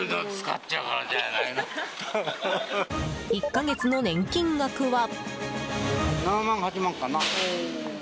１か月の年金額は。